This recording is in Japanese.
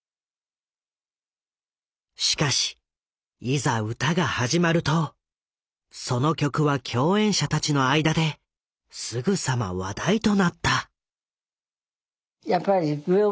しかしいざ歌が始まるとその曲は共演者たちの間ですぐさま話題となった。